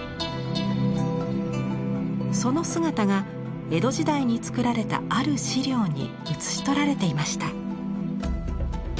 その姿が江戸時代に作られたある資料に写し取られていました。